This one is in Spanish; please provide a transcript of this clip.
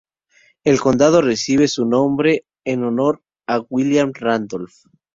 El condado recibe su nombre en honor a William Randolph.